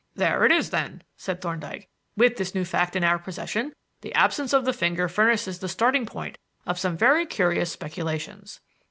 "There it is, then," said Thorndyke. "With this new fact in our possession, the absence of the finger furnishes the starting point of some very curious speculations."